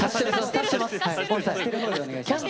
足してるほうでお願いします。